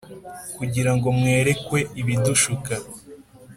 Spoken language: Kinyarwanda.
Kugirango mwerekwe ibidushuka